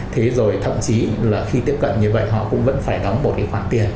thế rồi thậm chí là khi tiếp cận như vậy họ cũng vẫn phải đóng một cái khoản tiền